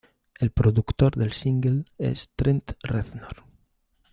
El productor del single es Trent Reznor.